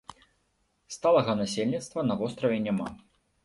Сталага насельніцтва на востраве няма.